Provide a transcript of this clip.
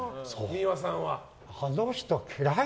あの人、嫌い。